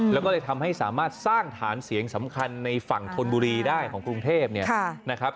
แล้วก็เลยทำให้สามารถสร้างฐานเสียงสำคัญในฝั่งธนบุรีได้ของกรุงเทพเนี่ยนะครับ